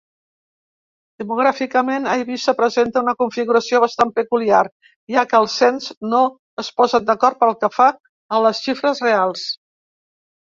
Demogràficament, Eivissa presenta una configuració bastant peculiar, ja que els cens no es posen d'acord pel que fa a les xifres reals.